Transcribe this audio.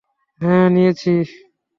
হ্যাঁ, নিয়েছি।